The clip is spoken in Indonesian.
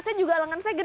si ininya si meja